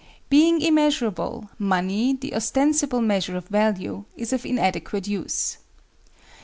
Being immeasurable, money, the ostensible measure of value, is of inadequate use.